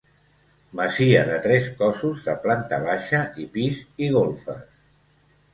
Masia de tres cossos de planta baixa i pis i golfes.